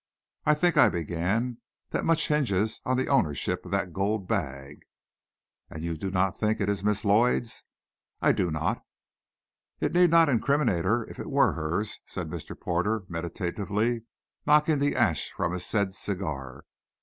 "I think," I began, "that much hinges on the ownership of that gold bag." "And you do not think it is Miss Lloyd's?" "I do not." "It need not incriminate her, if it were hers," said Mr. Porter, meditatively knocking the ash from said his cigar.